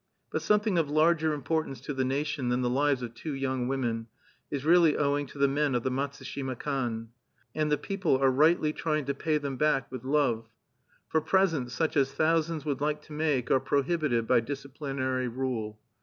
But something of larger importance to the nation than the lives of two young women is really owing to the men of the Matsushima Kan; and the people are rightly trying to pay them back with love, for presents, such as thousands would like to make, are prohibited by disciplinary rule.